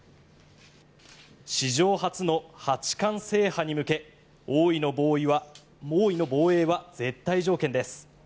史上初の８冠制覇に向け王位の防衛は絶対条件です。